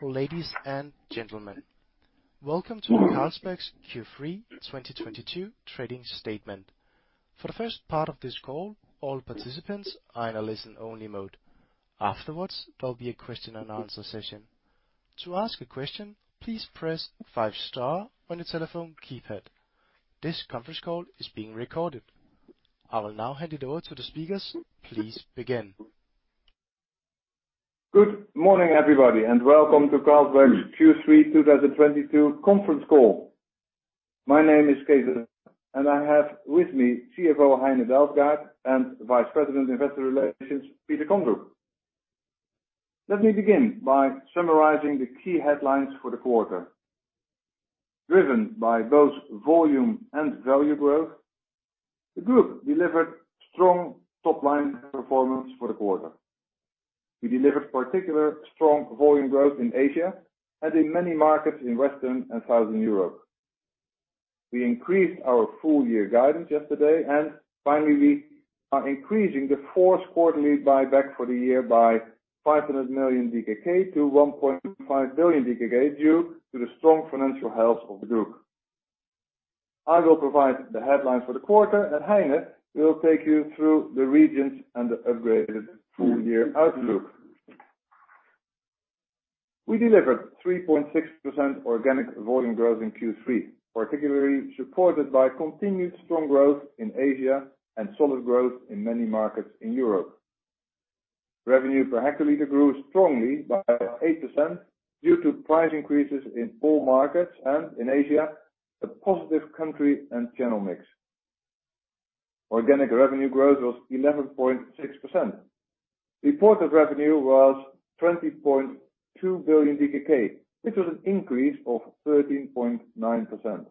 Ladies and gentlemen, welcome to Carlsberg's Q3 2022 trading statement. For the first part of this call, all participants are in a listen-only mode. Afterwards, there'll be a question and answer session. To ask a question, please press five star on your telephone keypad. This conference call is being recorded. I will now hand it over to the speakers. Please begin. Good morning, everybody, and welcome to Carlsberg's Q3 2022 conference call. My name is Cees 't Hart, and I have with me CFO Heine Dalsgaard and Vice President, investor relations, Peter Kondrup. Let me begin by summarizing the key headlines for the quarter. Driven by both volume and value growth, the group delivered strong top-line performance for the quarter. We delivered particularly strong volume growth in Asia and in many markets in Western and Southern Europe. We increased our full year guidance yesterday, and finally, we are increasing the fourth quarterly buyback for the year by 500 million-1.5 billion DKK, due to the strong financial health of the group. I will provide the headlines for the quarter, and Heine will take you through the regions and the upgraded full year outlook. We delivered 3.6% organic volume growth in Q3, particularly supported by continued strong growth in Asia and solid growth in many markets in Europe. Revenue per hectoliter grew strongly by 8% due to price increases in all markets, and in Asia, a positive country and channel mix. Organic revenue growth was 11.6%. Reported revenue was 20.2 billion DKK, which was an increase of 13.9%.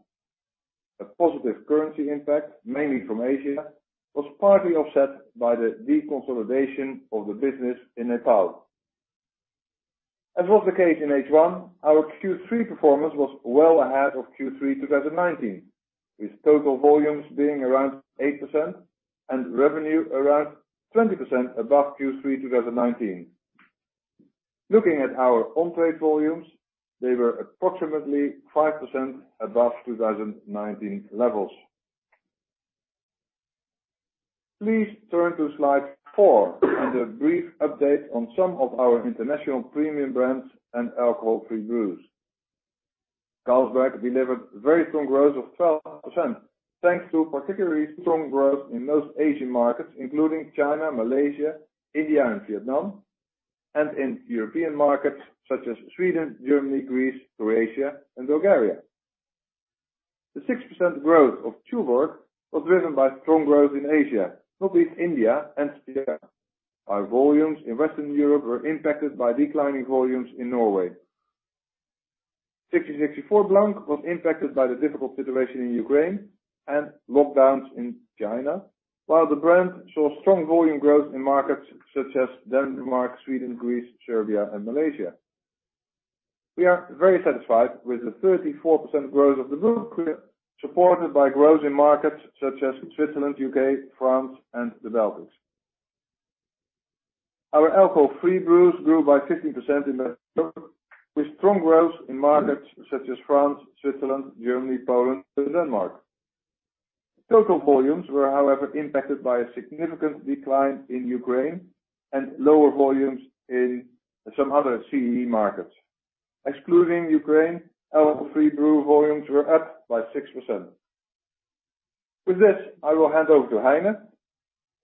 A positive currency impact, mainly from Asia, was partly offset by the deconsolidation of the business in Nepal. As was the case in H1, our Q3 performance was well ahead of Q3 2019, with total volumes being around 8% and revenue around 20% above Q3 2019. Looking at our on-trade volumes, they were approximately 5% above 2019 levels. Please turn to slide four and a brief update on some of our international premium brands and alcohol-free brews. Carlsberg delivered very strong growth of 12%, thanks to particularly strong growth in most Asian markets, including China, Malaysia, India and Vietnam, and in European markets such as Sweden, Germany, Greece, Croatia, and Bulgaria. The 6% growth of Tuborg was driven by strong growth in Asia, notably India and Vietnam. Our volumes in Western Europe were impacted by declining volumes in Norway. 1664 Blanc was impacted by the difficult situation in Ukraine and lockdowns in China, while the brand saw strong volume growth in markets such as Denmark, Sweden, Greece, Serbia, and Malaysia. We are very satisfied with the 34% growth of the group, supported by growth in markets such as Switzerland, U.K., France, and the Baltics. Our alcohol-free brews grew by 15% in that quarter, with strong growth in markets such as France, Switzerland, Germany, Poland, and Denmark. Total volumes were, however, impacted by a significant decline in Ukraine and lower volumes in some other CEE markets. Excluding Ukraine, alcohol-free brew volumes were up by 6%. With this, I will hand over to Heine,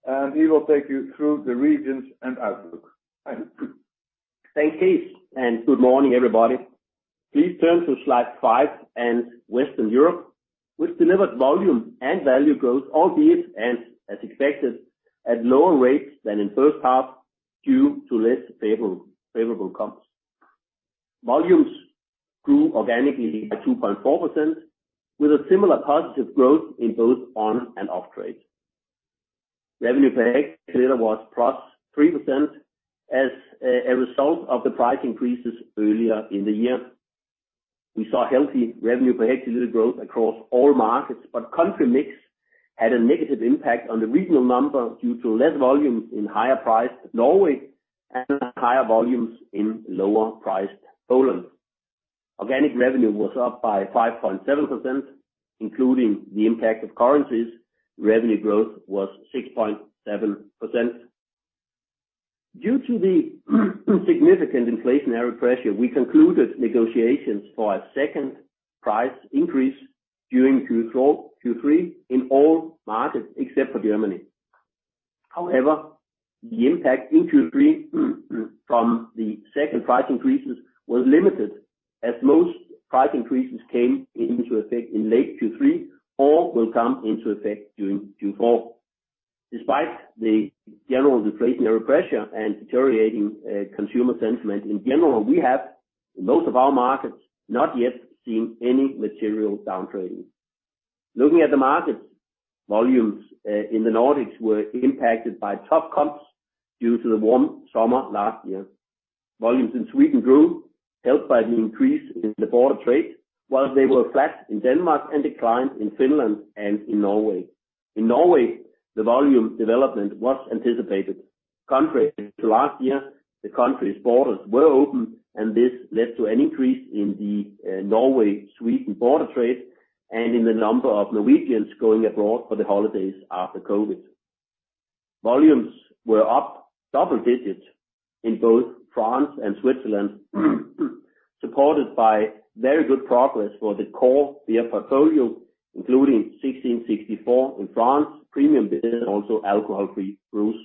and he will take you through the regions and outlook. Heine. Thank you, and good morning, everybody. Please turn to slide five and Western Europe, which delivered volume and value growth, albeit, as expected, at lower rates than in first half due to less favorable comps. Volumes grew organically by 2.4% with a similar positive growth in both on and off-trade. Revenue per hectoliter was +3% as a result of the price increases earlier in the year. We saw healthy revenue per hectoliter growth across all markets, but country mix had a negative impact on the regional number due to less volumes in higher-priced Norway and higher volumes in lower-priced Poland. Organic revenue was up by 5.7%, including the impact of currencies. Revenue growth was 6.7%. Due to the significant inflationary pressure, we concluded negotiations for a second price increase during Q3 in all markets except for Germany. However, the impact in Q3 from the second price increases was limited as most price increases came into effect in late Q3 or will come into effect during Q4. Despite the general inflationary pressure and deteriorating consumer sentiment, in general, we have, in most of our markets, not yet seen any material downtrading. Looking at the markets, volumes in the Nordics were impacted by tough comps due to the warm summer last year. Volumes in Sweden grew, helped by an increase in the border trade, while they were flat in Denmark and declined in Finland and in Norway. In Norway, the volume development was anticipated. Contrary to last year, the country's borders were open, and this led to an increase in the Norway-Sweden border trade and in the number of Norwegians going abroad for the holidays after COVID. Volumes were up double digits in both France and Switzerland, supported by very good progress for the core beer portfolio, including 1664 in France premium business, also alcohol-free brews.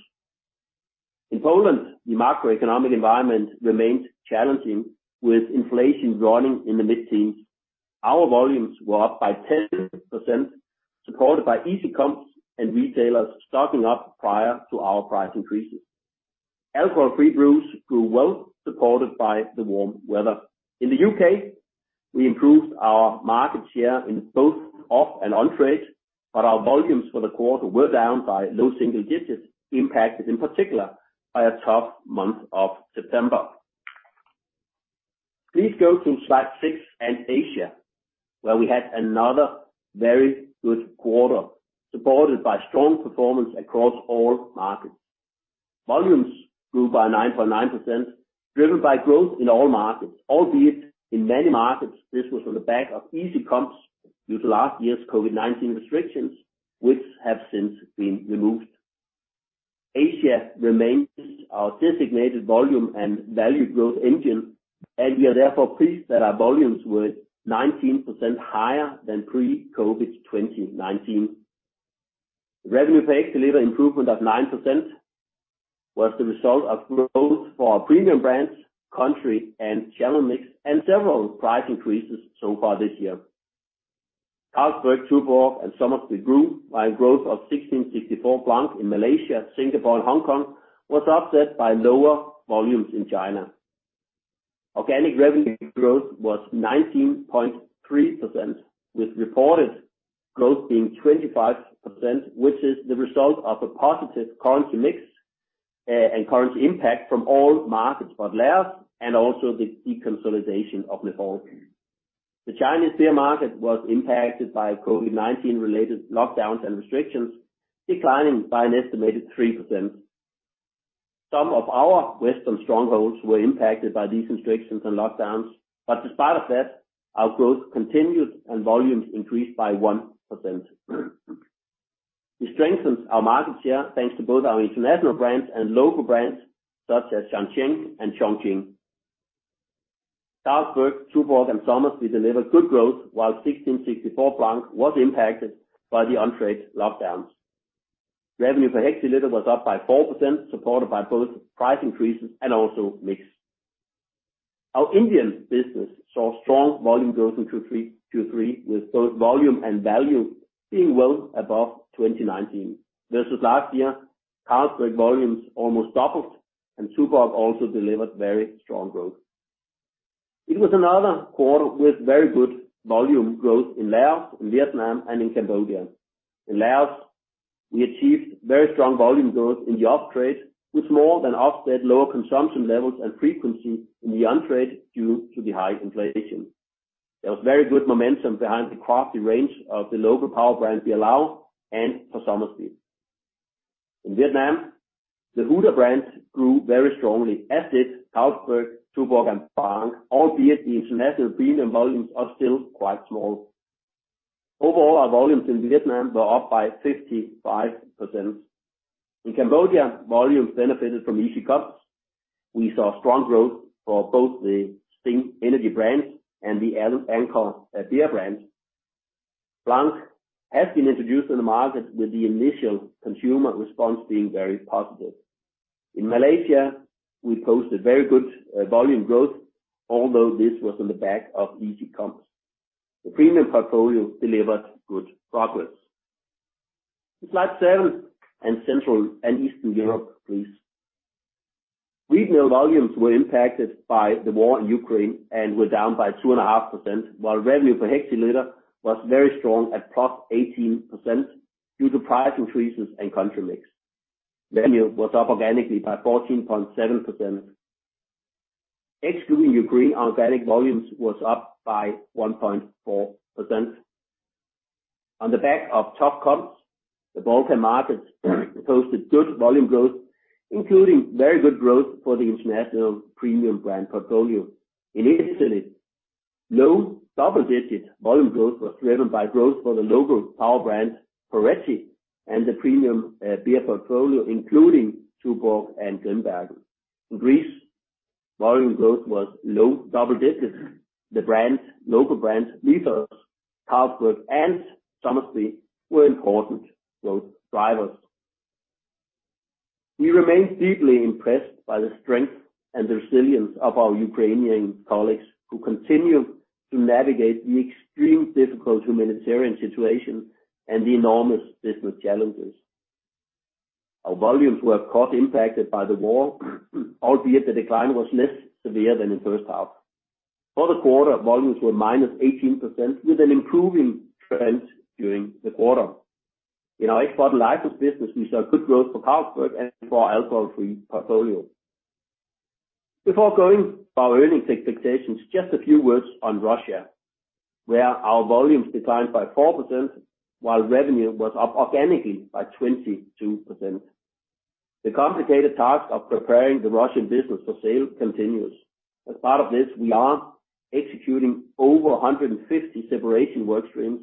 In Poland, the macroeconomic environment remains challenging, with inflation running in the mid-teens. Our volumes were up by 10%, supported by easy comps and retailers stocking up prior to our price increases. Alcohol-free brews grew well, supported by the warm weather. In the U.K., we improved our market share in both off and on-trade, but our volumes for the quarter were down by low single digits, impacted in particular by a tough month of September. Please go to slide six and Asia, where we had another very good quarter, supported by strong performance across all markets. Volumes grew by 9.9%, driven by growth in all markets, albeit in many markets this was on the back of easy comps due to last year's COVID-19 restrictions, which have since been removed. Asia remains our designated volume and value growth engine, and we are therefore pleased that our volumes were 19% higher than pre-COVID 2019. Revenue per hectoliter improvement of 9% was the result of growth for our premium brands, country, and channel mix, and several price increases so far this year. Carlsberg, Tuborg, and Somersby grew, while growth of 1664 Blanc in Malaysia, Singapore, and Hong Kong was offset by lower volumes in China. Organic revenue growth was 19.3%, with reported growth being 25%, which is the result of a positive currency mix, and currency impact from all markets but Laos and also the deconsolidation of Nepal. The Chinese beer market was impacted by COVID-19 related lockdowns and restrictions, declining by an estimated 3%. Some of our Western strongholds were impacted by these restrictions and lockdowns, but despite of that, our growth continued and volumes increased by 1%. We strengthened our market share thanks to both our international brands and local brands such as Shancheng and Chongqing. Carlsberg, Tuborg, and Somersby delivered good growth while 1664 Blanc was impacted by the on-trade lockdowns. Revenue per hectoliter was up by 4%, supported by both price increases and also mix. Our Indian business saw strong volume growth in Q3 2023, with both volume and value being well above 2019. Versus last year, Carlsberg volumes almost doubled and Tuborg also delivered very strong growth. It was another quarter with very good volume growth in Laos, in Vietnam, and in Cambodia. In Laos, we achieved very strong volume growth in the off-trade, which more than offset lower consumption levels and frequency in the on-trade due to the high inflation. There was very good momentum behind the craft range of the local power brand, Beerlao, and for Somersby. In Vietnam, the Huda brand grew very strongly, as did Carlsberg, Tuborg, and Blanc, albeit the international premium volumes are still quite small. Overall, our volumes in Vietnam were up by 55%. In Cambodia, volumes benefited from easy comps. We saw strong growth for both the Sting energy brand and the Angkor Beer brand. Blanc has been introduced in the market with the initial consumer response being very positive. In Malaysia, we posted very good volume growth, although this was on the back of easy comps. The premium portfolio delivered good progress. To slide seven and Central and Eastern Europe, please. Regional volumes were impacted by the war in Ukraine and were down by 2.5%, while revenue per hectoliter was very strong at +18% due to price increases and country mix. Revenue was up organically by 14.7%. Excluding Ukraine, organic volumes was up by 1.4%. On the back of tough comps, the Baltic markets posted good volume growth, including very good growth for the international premium brand portfolio. In Italy, low double-digit volume growth was driven by growth for the local power brand Poretti and the premium beer portfolio, including Tuborg and Grimbergen. In Greece, volume growth was low double digits. Local brand Mythos, Carlsberg, and Somersby were important growth drivers. We remain deeply impressed by the strength and the resilience of our Ukrainian colleagues, who continue to navigate the extreme difficult humanitarian situation and the enormous business challenges. Our volumes were, of course, impacted by the war, albeit the decline was less severe than the first half. For the quarter, volumes were -18% with an improving trend during the quarter. In our export and license business, we saw good growth for Carlsberg and for our alcohol-free portfolio. Before going to our earnings expectations, just a few words on Russia, where our volumes declined by 4%, while revenue was up organically by 22%. The complicated task of preparing the Russian business for sale continues. As part of this, we are executing over 150 separation work streams,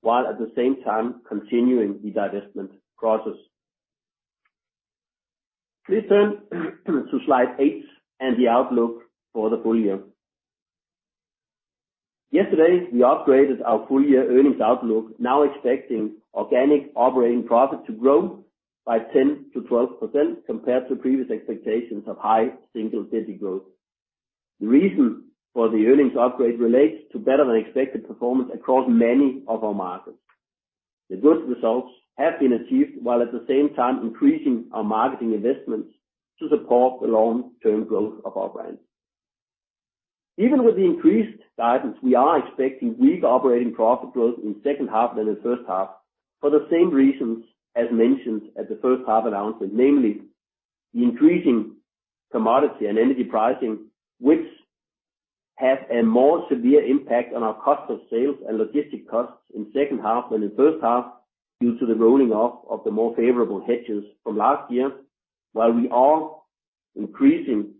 while at the same time continuing the divestment process. Please turn to slide eight and the outlook for the full year. Yesterday, we upgraded our full year earnings outlook, now expecting organic operating profit to grow by 10%-12% compared to previous expectations of high single-digit growth. The reason for the earnings upgrade relates to better than expected performance across many of our markets. The good results have been achieved while at the same time increasing our marketing investments to support the long-term growth of our brands. Even with the increased guidance, we are expecting weak operating profit growth in second half than in first half for the same reasons as mentioned at the first half announcement, namely the increasing commodity and energy pricing, which have a more severe impact on our cost of sales and logistic costs in second half than in first half due to the rolling off of the more favorable hedges from last year. While we are increasing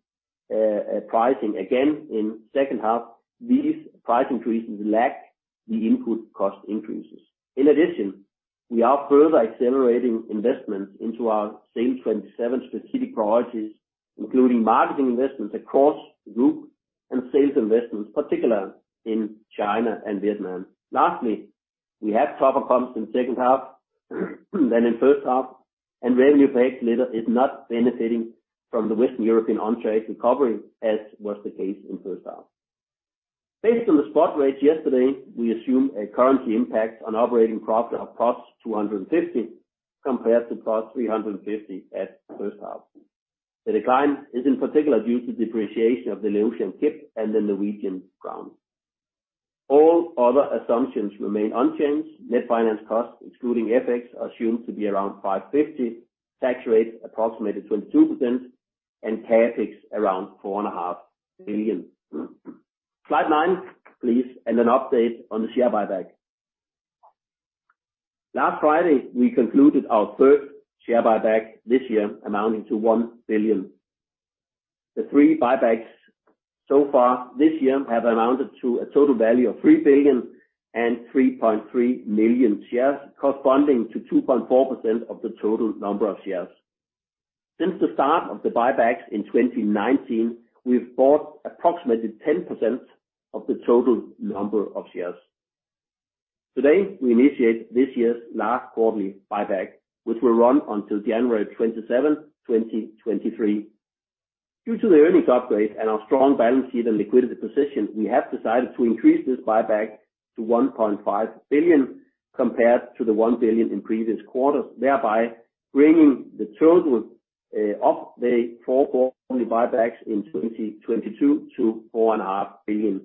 pricing again in second half, these price increases lack the input cost increases. In addition, we are further accelerating investments into our SAIL'27 specific priorities, including marketing investments across the group and sales investments, particularly in China and Vietnam. Lastly, we have tougher comps in second half than in first half, and revenue base leader is not benefiting from the Western European on-trade recovery as was the case in first half. Based on the spot rates yesterday, we assume a currency impact on operating profit of +250 compared to +350 at first half. The decline is in particular due to depreciation of the Laotian kip and the Norwegian crown. All other assumptions remain unchanged. Net finance costs, excluding FX, are assumed to be around 550, tax rate approximated 22%, and CapEx around 4.5 billion. Slide nine, please, and an update on the share buyback. Last Friday, we concluded our third share buyback this year amounting to 1 billion. The three buybacks so far this year have amounted to a total value of 3 billion and 3.3 million shares, corresponding to 2.4% of the total number of shares. Since the start of the buybacks in 2019, we've bought approximately 10% of the total number of shares. Today, we initiate this year's last quarterly buyback, which will run until January 27, 2023. Due to the earnings upgrade and our strong balance sheet and liquidity position, we have decided to increase this buyback to 1.5 billion compared to the 1 billion in previous quarters, thereby bringing the total of the four quarterly buybacks in 2022 to 4.5 billion.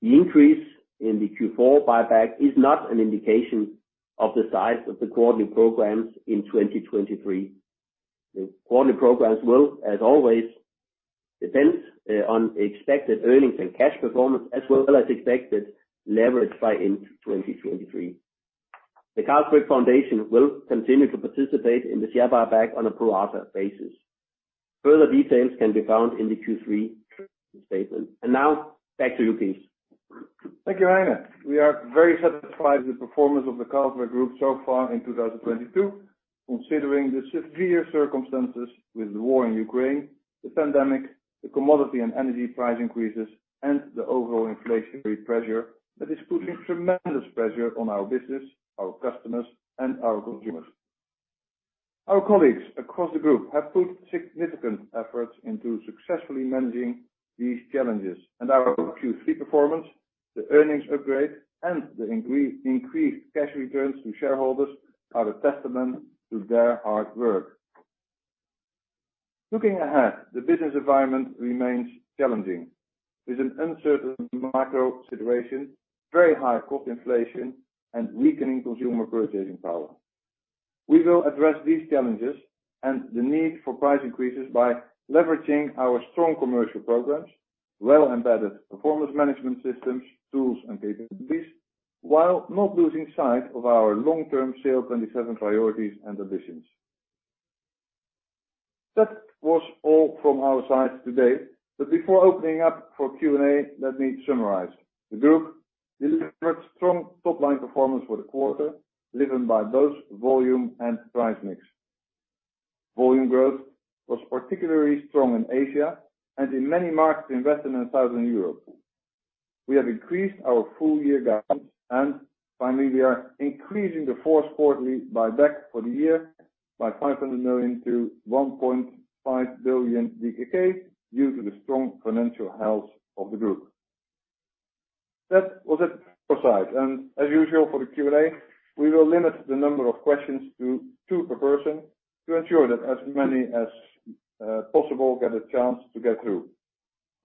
The increase in the Q4 buyback is not an indication of the size of the quarterly programs in 2023. The quarterly programs will, as always, depend on expected earnings and cash performance, as well as expected leverage by end 2023. The Carlsberg Foundation will continue to participate in the share buyback on a pro rata basis. Further details can be found in the Q3 statement. Now back to you, Cees. Thank you, Heine. We are very satisfied with the performance of the Carlsberg Group so far in 2022, considering the severe circumstances with the war in Ukraine, the pandemic, the commodity and energy price increases, and the overall inflationary pressure that is putting tremendous pressure on our business, our customers, and our consumers. Our colleagues across the group have put significant efforts into successfully managing these challenges, and our Q3 performance, the earnings upgrade, and the increased cash returns to shareholders are a testament to their hard work. Looking ahead, the business environment remains challenging. With an uncertain macro situation, very high cost inflation, and weakening consumer purchasing power, we will address these challenges and the need for price increases by leveraging our strong commercial programs, well-embedded performance management systems, tools, and capabilities, while not losing sight of our long-term sales and development priorities and ambitions. That was all from our side today, but before opening up for Q&A, let me summarize. The group delivered strong top-line performance for the quarter, driven by both volume and price mix. Volume growth was particularly strong in Asia and in many markets invested in Southern Europe. We have increased our full-year guidance. Finally, we are increasing the fourth quarterly buyback for the year by 500 million-1.5 billion DKK due to the strong financial health of the group. That was it for slides. As usual for the Q&A, we will limit the number of questions to two per person to ensure that as many as possible get a chance to get through.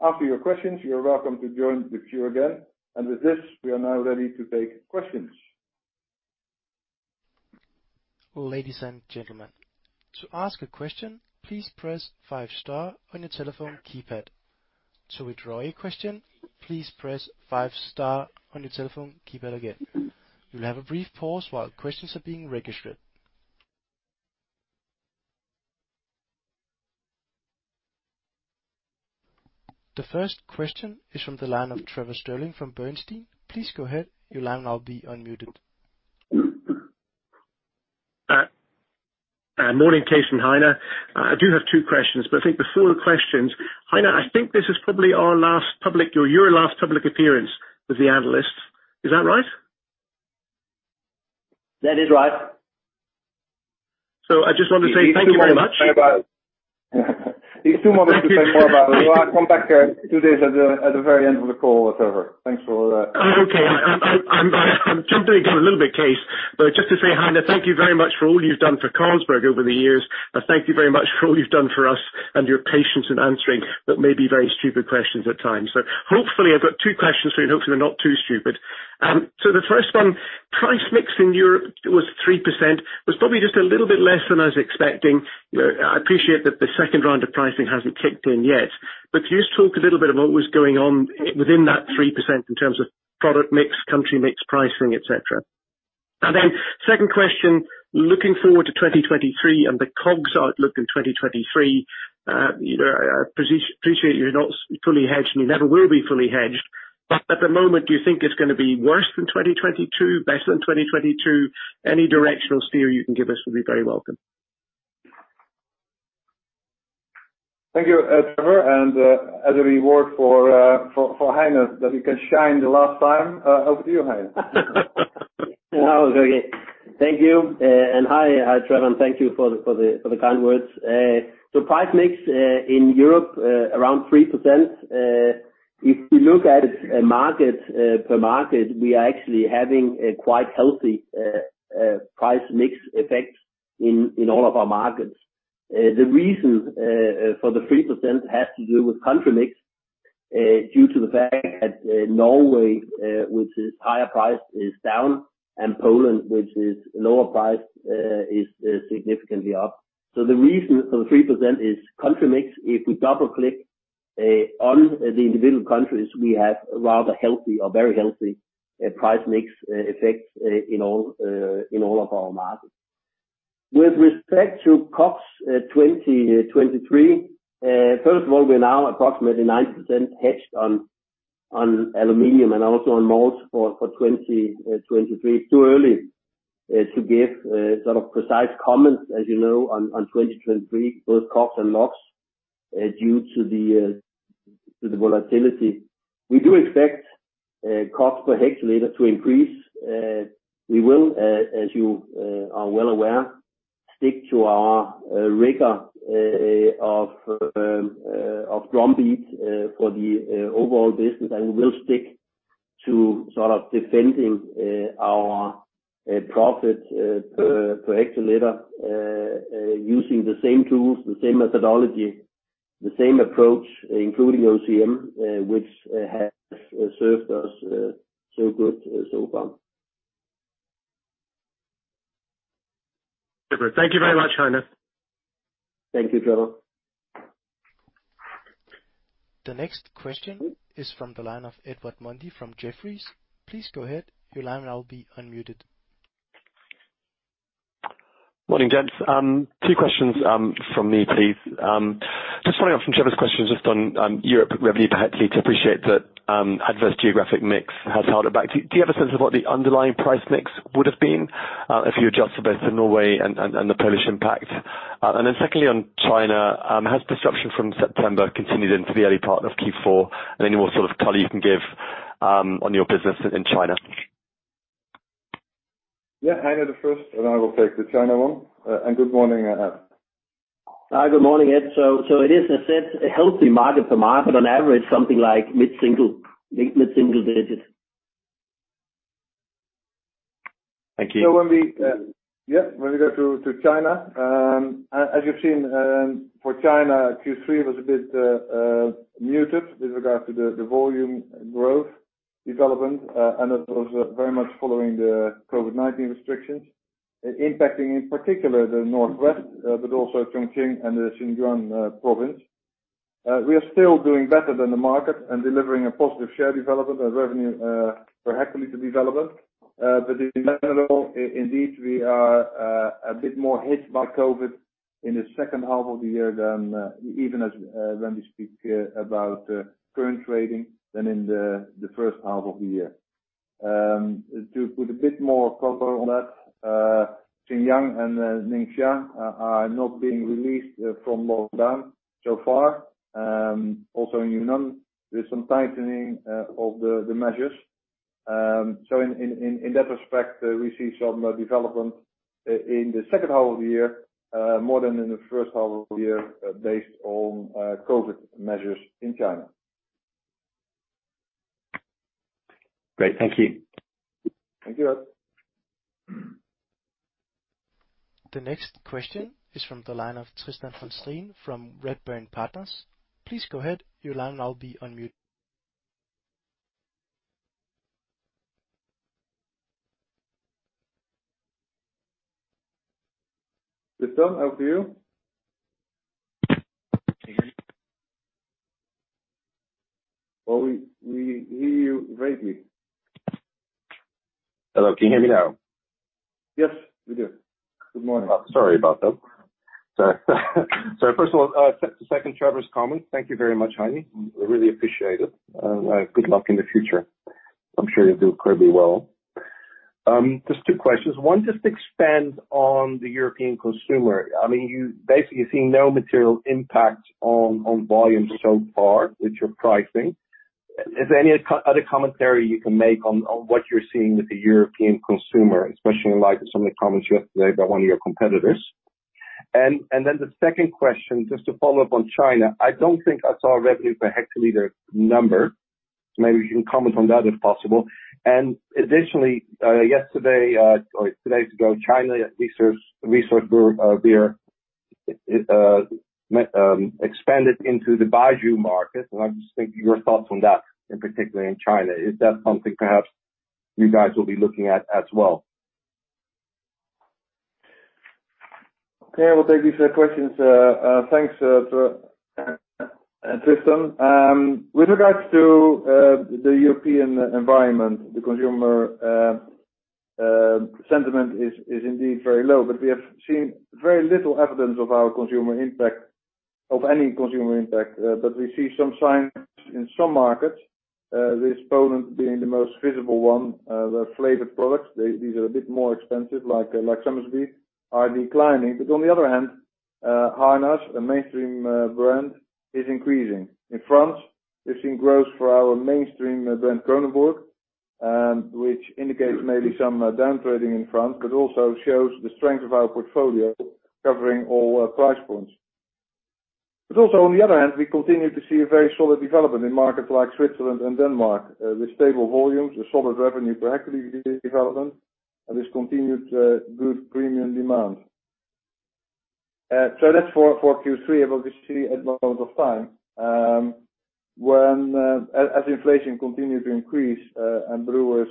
After your questions, you're welcome to join the queue again. With this, we are now ready to take questions. Ladies and gentlemen, to ask a question, please press five star on your telephone keypad. To withdraw a question, please press five star on your telephone keypad again. We'll have a brief pause while questions are being registered. The first question is from the line of Trevor Stirling from Bernstein. Please go ahead. Your line will now be unmuted. Morning, Cees and Heine. I do have two questions, but I think before the questions, Heine, this is probably your last public appearance with the analysts. Is that right? That is right. I just want to say thank you very much. Leave two moments to say bye. Leave two moments to say more about it. You are welcome back, two days at the very end of the call with Trevor. Thanks for that. Okay. I'm jumping the gun a little bit, Cees. Just to say, Heine, thank you very much for all you've done for Carlsberg over the years. And thank you very much for all you've done for us and your patience in answering what may be very stupid questions at times. Hopefully I've got two questions for you, and hopefully they're not too stupid. The first one, price mix in Europe was 3%. It was probably just a little bit less than I was expecting. You know, I appreciate that the second round of pricing hasn't kicked in yet. But could you just talk a little bit about what was going on within that 3% in terms of product mix, country mix, pricing, et cetera? Then second question, looking forward to 2023 and the COGS outlook in 2023, you know, I appreciate you're not fully hedged, and you never will be fully hedged. At the moment, do you think it's gonna be worse than 2022, better than 2022? Any directional steer you can give us will be very welcome. Thank you, Trevor. As a reward for Heine that he can shine the last time, over to you, Heine. No. Okay. Thank you, and hi, Trevor, and thank you for the kind words. Price mix in Europe around 3%. If you look at it, market per market, we are actually having a quite healthy price mix effect in all of our markets. The reason for the 3% has to do with country mix due to the fact that Norway, which is higher price, is down, and Poland, which is lower price, is significantly up. The reason for the 3% is country mix. If we double-click on the individual countries, we have rather healthy or very healthy price mix effects in all of our markets. With respect to COGS, 2023, first of all, we're now approximately 90% hedged on aluminum and also on malt for 2023. It's too early to give sort of precise comments, as you know, on 2023, both COGS and logs, due to the volatility. We do expect cost per hectoliter to increase. We will, as you are well aware, stick to our rigor of drum beats for the overall business. We will stick to sort of defending our profit per hectoliter using the same tools, the same methodology, the same approach, including OCM, which has served us so good so far. Super. Thank you very much, Heine. Thank you, Trevor. The next question is from the line of Edward Mundy from Jefferies. Please go ahead. Your line now will be unmuted. Morning, gents. Two questions from me, please. Just following up from Trevor's questions just on Europe revenue per hecto. Appreciate that adverse geographic mix has held it back. Do you have a sense of what the underlying price mix would've been if you adjusted both to Norway and the Polish impact? And then secondly, on China, has disruption from September continued into the early part of Q4, and any more sort of color you can give on your business in China? Yeah. Heine, the first, and I will take the China one. Good morning, Ed. Hi, good morning, Ed. It is, as said, a healthy market per market on average, something like mid-single digits. Thank you. When we go through to China, as you've seen, for China, Q3 was a bit muted with regard to the volume growth development, and it was very much following the COVID-19 restrictions, impacting, in particular, the northwest, but also Chongqing and the Sichuan province. We are still doing better than the market and delivering a positive share development and revenue per hectoliter development. But in general, indeed, we are a bit more hit by COVID in the second half of the year than even as when we speak about current trading than in the first half of the year. To put a bit more color on that, Xinjiang and Ningxia are not being released from lockdown so far. Also in Yunnan, there's some tightening of the measures. In that respect, we see some development in the second half of the year, more than in the first half of the year, based on COVID measures in China. Great. Thank you. Thank you, Ed. The next question is from the line of Tristan van Strien from Redburn Partners. Please go ahead. Your line now will be unmuted. Tristan, how are you? Can you hear me? Well, we hear you vaguely. Hello. Can you hear me now? Yes, we do. Good morning. Sorry about that. First of all, to second Trevor's comment, thank you very much, Heine. We really appreciate it, and good luck in the future. I'm sure you'll do incredibly well. Just two questions. One, just expand on the European consumer. I mean, you basically see no material impact on volume so far with your pricing. Is there any other commentary you can make on what you're seeing with the European consumer, especially in light of some of the comments yesterday by one of your competitors? And then the second question, just to follow up on China. I don't think I saw a revenue per hectoliter number, so maybe you can comment on that, if possible. Additionally, yesterday or two days ago, China Resources Beer expanded into the baijiu market and I'm just thinking your thoughts on that, in particular in China. Is that something perhaps you guys will be looking at as well? Okay, we'll take these questions. Thanks, Tristan. With regards to the European environment, the consumer sentiment is indeed very low, but we have seen very little evidence of our consumer impact, of any consumer impact. We see some signs in some markets, with Poland being the most visible one. The flavored products, these are a bit more expensive, like Somersby are declining. On the other hand, Harnaś, a mainstream brand, is increasing. In France, we've seen growth for our mainstream brand, Kronenbourg, which indicates maybe some down trading in France, but also shows the strength of our portfolio covering all price points. Also on the other hand, we continue to see a very solid development in markets like Switzerland and Denmark, with stable volumes, a solid revenue per hectoliter development, and this continued good premium demand. So that's for Q3. We obviously at moment of time, when as inflation continued to increase, and brewers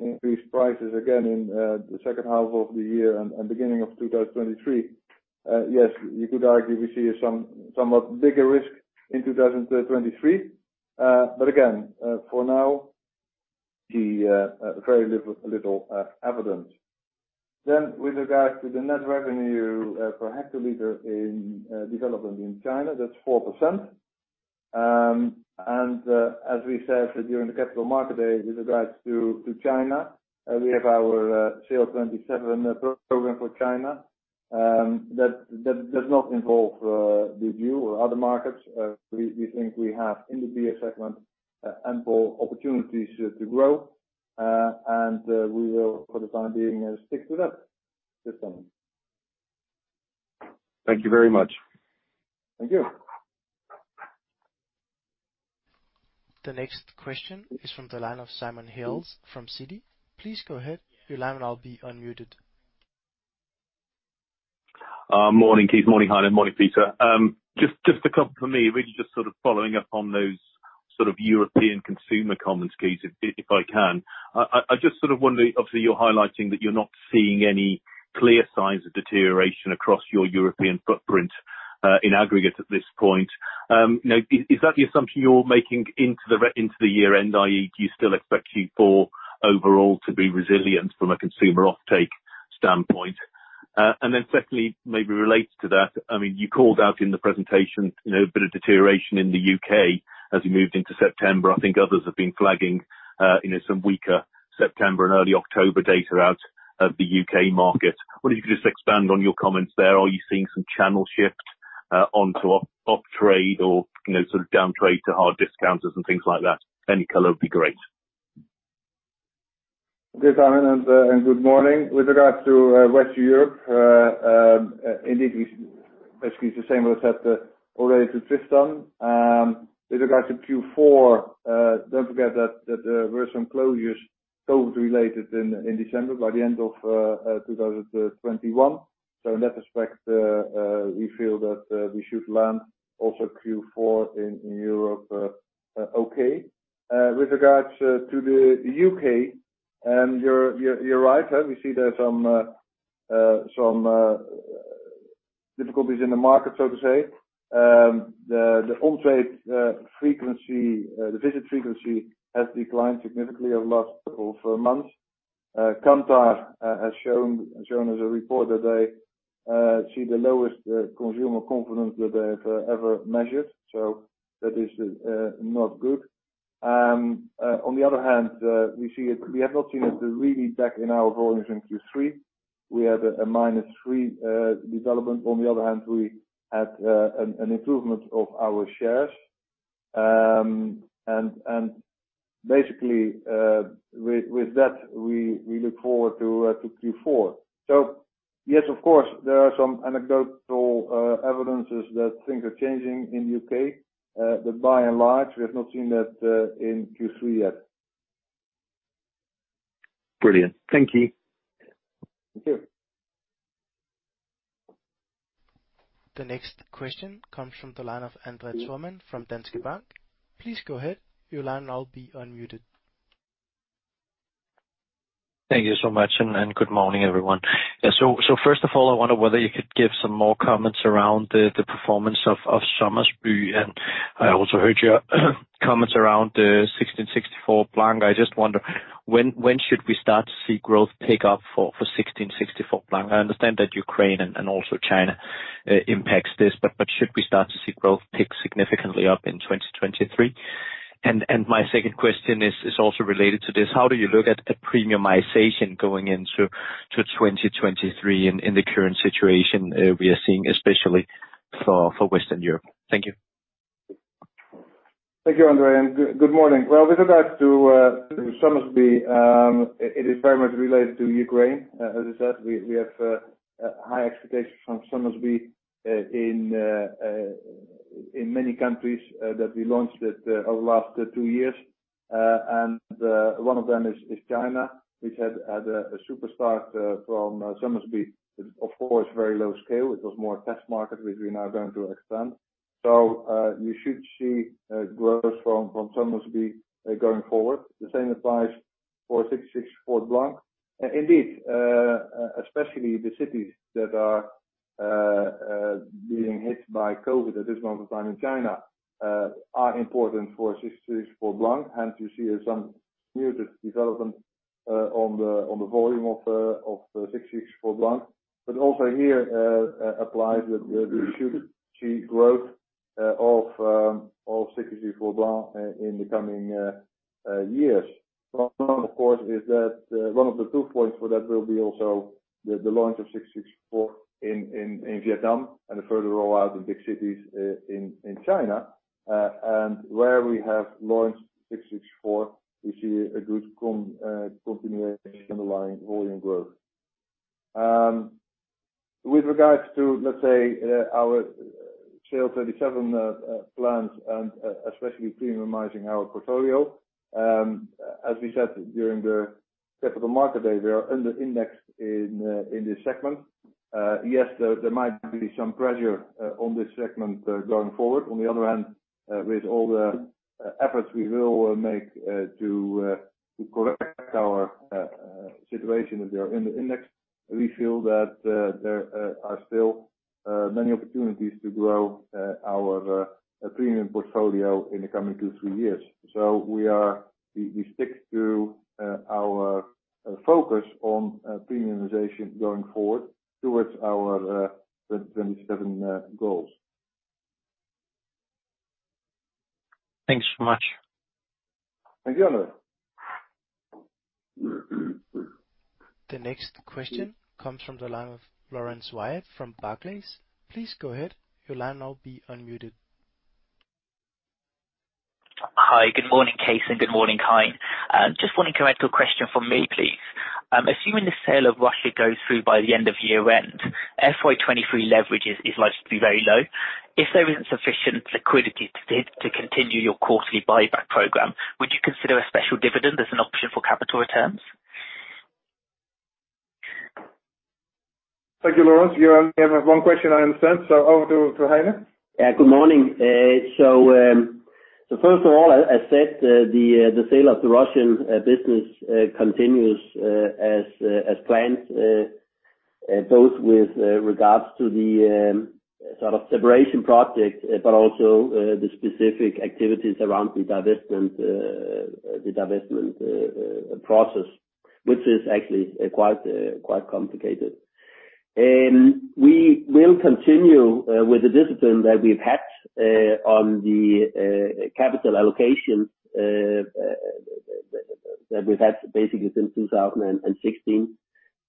increased prices again in the second half of the year and beginning of 2023. Yes, you could argue we see some somewhat bigger risk in 2023. Again, for now, the very little evidence. With regards to the net revenue per hectoliter development in China, that's 4%. As we said during the Capital Markets Day with regards to China, we have our SAIL'27 program for China. That does not involve the brew or other markets. We think we have in the beer segment ample opportunities to grow. We will for the time being stick to that system. Thank you very much. Thank you. The next question is from the line of Simon Hales from Citi. Please go ahead. Your line now will be unmuted. Morning, Cees. Morning, Heine. Morning, Peter. Just a couple for me, really just sort of following up on those sort of European consumer comments, Cees, if I can. I just sort of wondering, obviously you're highlighting that you're not seeing any clear signs of deterioration across your European footprint, in aggregate at this point. Now is that the assumption you're making into the year end, i.e., do you still expect Q4 overall to be resilient from a consumer offtake standpoint? And then secondly, maybe related to that, I mean, you called out in the presentation, you know, a bit of deterioration in the U.K. as you moved into September. I think others have been flagging, you know, some weaker September and early October data out of the U.K. market. Wonder if you could just expand on your comments there. Are you seeing some channel shift onto off-trade or, you know, sort of down trade to hard discounters and things like that? Any color would be great. Yes, Simon, good morning. With regards to Western Europe, indeed basically it's the same as I said already to Tristan. With regards to Q4, don't forget that there were some COVID-related closures in December by the end of 2021. In that respect, we feel that we should land also Q4 in Europe, okay. With regards to the U.K., you're right. We see there's some difficulties in the market, so to say. The on-trade frequency, the visit frequency has declined significantly over the last couple of months. Kantar has shown us a report that they see the lowest consumer confidence that they have ever measured. That is not good. On the other hand, we have not seen it really back in our volumes in Q3. We had a -3% development. On the other hand, we had an improvement of our shares. Basically, with that, we look forward to Q4. Yes, of course, there are some anecdotal evidence that things are changing in the U.K.. By and large, we have not seen that in Q3 yet. Brilliant. Thank you. The next question comes from the line of André Thormann from Danske Bank. Please go ahead. Your line will now be unmuted. Thank you so much, good morning, everyone. Yeah. First of all, I wonder whether you could give some more comments around the performance of Somersby, and I also heard your comments around 1664 Blanc. I just wonder when should we start to see growth pick up for 1664 Blanc? I understand that Ukraine and also China impacts this, but should we start to see growth pick significantly up in 2023? My second question is also related to this. How do you look at the premiumization going into 2023 in the current situation we are seeing especially for Western Europe? Thank you. Thank you, André, and good morning. With regards to Somersby, it is very much related to Ukraine. As I said, we have high expectations from Somersby in many countries that we launched it over the last two years. One of them is China, which had a super start from Somersby. It's of course very low scale. It was more test market, which we are now going to expand. You should see growth from Somersby going forward. The same applies for 1664 Blanc. Indeed, especially the cities that are being hit by COVID at this moment in time in China are important for 1664 Blanc. Hence you see some nuanced development on the volume of 1664 Blanc. Also here applies that we should see growth of 1664 Blanc in the coming years. Of course, that is one of the two points that will be also the launch of 1664 in Vietnam and a further rollout in big cities in China. And where we have launched 1664, we see a good continuation underlying volume growth. With regards to, let's say, our SAIL'27 plans and especially premiumizing our portfolio, as we said during the capital market day, we are under-indexed in this segment. Yes, there might be some pressure on this segment going forward. On the other hand, with all the efforts we will make to correct our situation that they are in the index, we feel that there are still many opportunities to grow our premium portfolio in the coming two to three years. We stick to our focus on premiumization going forward towards our 2027 goals. Thanks so much. Thank you. The next question comes from the line of Laurence Whyatt from Barclays. Please go ahead. Your line will now be unmuted. Hi. Good morning, Cees, and good morning, Heine. Just one intellectual question from me, please. Assuming the sale of Russia goes through by the end of year-end, FY 2023 leverage is likely to be very low. If there isn't sufficient liquidity to continue your quarterly buyback program, would you consider a special dividend as an option for capital returns? Thank you, Laurence. You only have one question, I understand. Over to Heine. Good morning. First of all, as said, the sale of the Russian business continues as planned, both with regards to the sort of separation project, but also the specific activities around the divestment process, which is actually quite complicated. We will continue with the discipline that we've had on the capital allocation that we've had basically since 2016.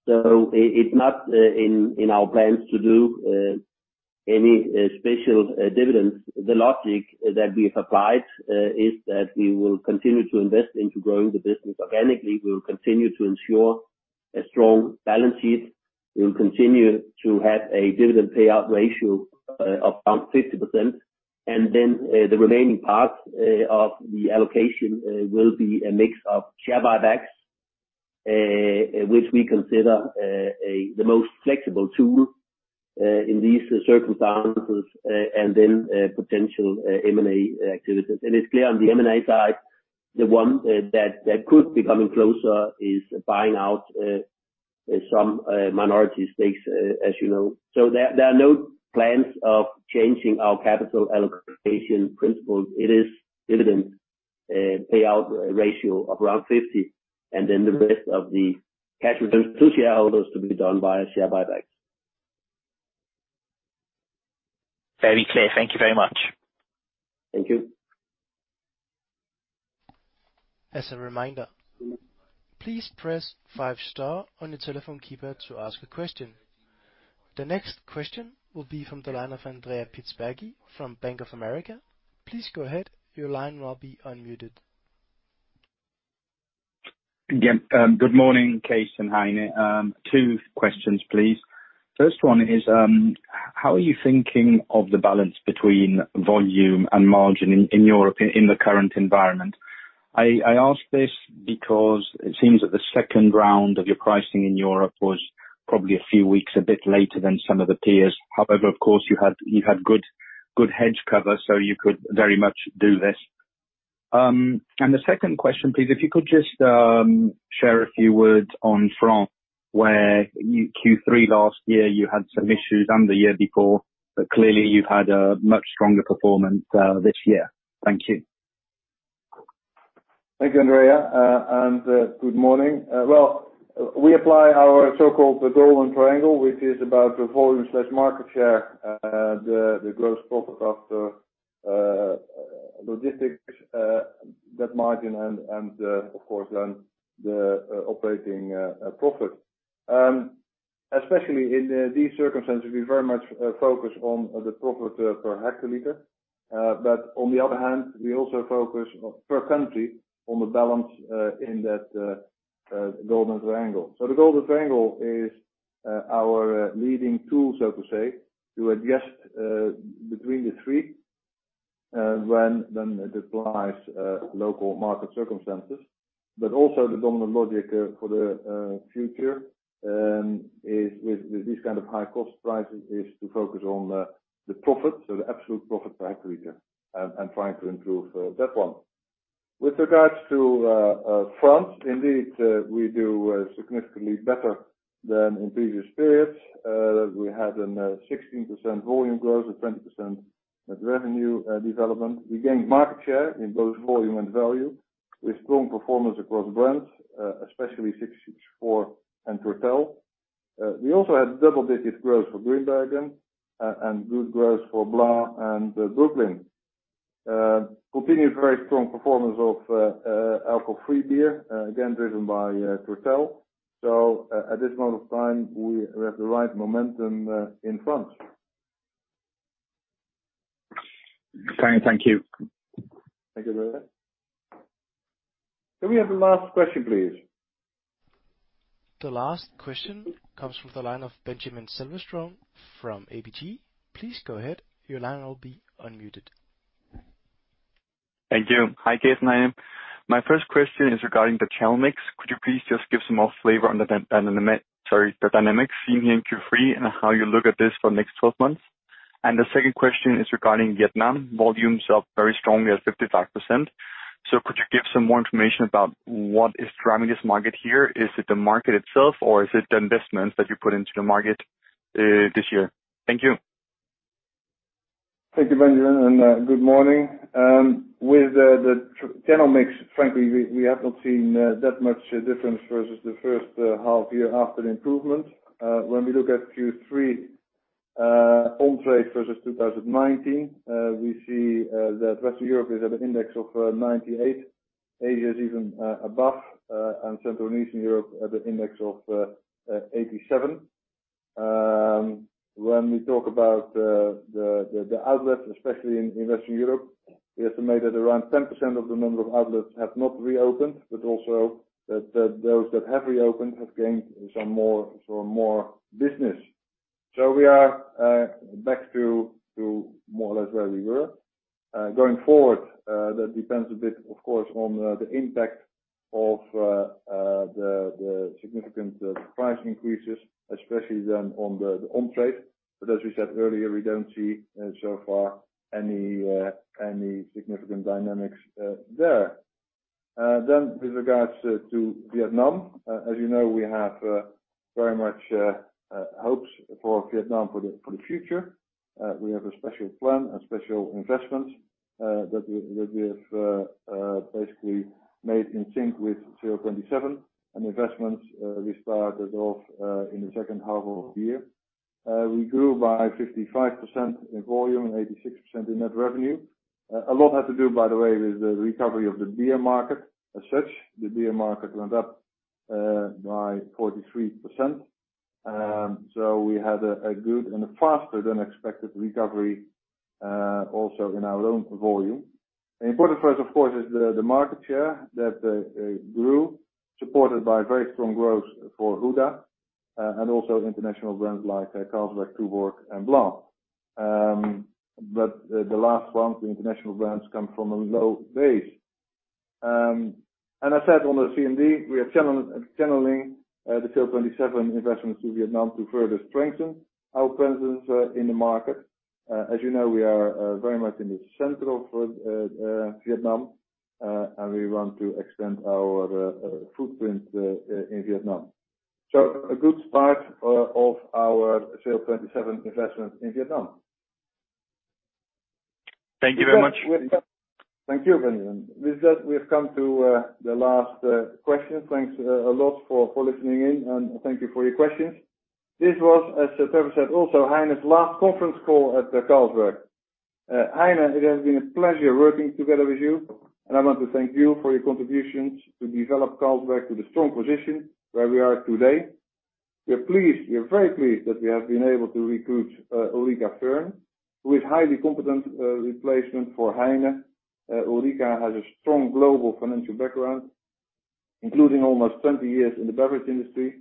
It's not in our plans to do any special dividends. The logic that we have applied is that we will continue to invest into growing the business organically. We will continue to ensure a strong balance sheet. We will continue to have a dividend payout ratio of around 50%. The remaining part of the allocation will be a mix of share buybacks, which we consider the most flexible tool in these circumstances, and then potential M&A activities. It's clear on the M&A side, the one that could be coming closer is buying out some minority stakes, as you know. There are no plans of changing our capital allocation principles. It is dividend payout ratio of around 50%, and then the rest of the cash returns to shareholders to be done via share buybacks. Very clear. Thank you very much. Thank you. As a reminder, please press five star on your telephone keypad to ask a question. The next question will be from the line of Andrea Pistacchi from Bank of America. Please go ahead. Your line will be unmuted. Again, good morning, Cees and Heine. Two questions, please. First one is, how are you thinking of the balance between volume and margin in Europe in the current environment? I ask this because it seems that the second round of your pricing in Europe was probably a few weeks, a bit later than some of the peers. However, of course, you had good hedge cover, so you could very much do this. The second question, please, if you could just share a few words on France, where in Q3 last year you had some issues, and the year before, but clearly you've had a much stronger performance this year. Thank you. Thank you, Andrea, and good morning. Well, we apply our so-called Golden Triangle, which is about volume/market share, the gross profit after logistics, that margin and, of course then the operating profit. Especially in these circumstances, we very much focus on the profit per hectoliter. On the other hand, we also focus per country on the balance in that Golden Triangle. The Golden Triangle is our leading tool, so to say, to adjust between the three when it applies local market circumstances. Also the dominant logic for the future is with this kind of high cost prices is to focus on the profit so the absolute profit per hectoliter and trying to improve that one. With regards to France, indeed, we do significantly better than in previous periods. We had a 16% volume growth and 20% net revenue development. We gained market share in both volume and value with strong performance across brands, especially 1664 and Tourtel. We also had double-digit growth for Grimbergen and good growth for Blanc and Brooklyn. Continued very strong performance of alcohol-free beer, again, driven by Tourtel. At this point of time, we have the right momentum in France. Thank you. Thank you, Andrea. Can we have the last question, please? The last question comes from the line of Benjamin Silverstone from ABG. Please go ahead. Your line will be unmuted. Thank you. Hi, Cees and Heine. My first question is regarding the channel mix. Could you please just give some more flavor on the dynamics seen in Q3 and how you look at this for the next 12 months? The second question is regarding Vietnam. Volumes up very strongly at 55%. Could you give some more information about what is driving this market here? Is it the market itself, or is it the investments that you put into the market this year? Thank you. Thank you, Benjamin, and good morning. With the channel mix, frankly, we have not seen that much difference versus the first half year after the improvement. When we look at Q3 on trade versus 2019, we see that Western Europe is at an index of 98. Asia is even above, and Central and Eastern Europe at an index of 87. When we talk about the outlets, especially in Western Europe, we estimate that around 10% of the number of outlets have not reopened, but also that those that have reopened have gained some more business. We are back to more or less where we were. Going forward, that depends a bit, of course, on the impact of the significant price increases, especially then on the on-trade. As we said earlier, we don't see so far any significant dynamics there. With regards to Vietnam, as you know, we have very much hopes for Vietnam for the future. We have a special plan, a special investment that we have basically made in sync with SAIL'27. An investment we started off in the second half of the year. We grew by 55% in volume and 86% in net revenue. A lot had to do, by the way, with the recovery of the beer market. As such, the beer market went up by 43%. We had a good and a faster than expected recovery also in our own volume. Important for us of course is the market share that grew, supported by very strong growth for Huda and also international brands like Carlsberg, Tuborg and Blanc. The last one, the international brands, come from a low base. I said on the CMD, we are channeling the SAIL'27 investments to Vietnam to further strengthen our presence in the market. As you know, we are very much in the center of Vietnam and we want to extend our footprint in Vietnam. A good start of our SAIL'27 investment in Vietnam. Thank you very much. Thank you, Benjamin. With that, we have come to the last question. Thanks a lot for listening in, and thank you for your questions. This was, as Trevor said also, Heine's last conference call at Carlsberg. Heine, it has been a pleasure working together with you, and I want to thank you for your contributions to develop Carlsberg to the strong position where we are today. We're pleased, we're very pleased that we have been able to recruit Ulrica Fearn, who is highly competent replacement for Heine. Ulrica has a strong global financial background, including almost 20 years in the beverage industry.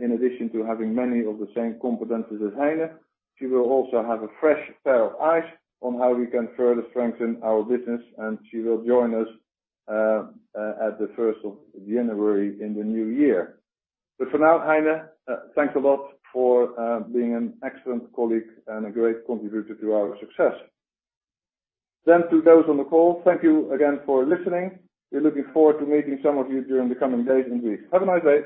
In addition to having many of the same competencies as Heine, she will also have a fresh pair of eyes on how we can further strengthen our business, and she will join us at the first of January in the new year. For now, Heine, thanks a lot for being an excellent colleague and a great contributor to our success. To those on the call, thank you again for listening. We're looking forward to meeting some of you during the coming days and weeks. Have a nice day.